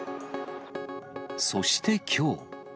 そしてきょう。